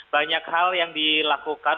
banyak hal yang dilakukan